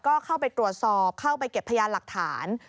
ก็เข้าไปตรวจสอบเข้าไปเก็บพยานหลักฐาน